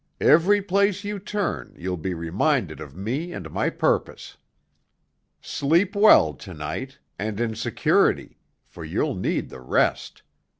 Every place you turn you'll be reminded of me and my purpose. Sleep well to night, and in security, for you'll need the rest.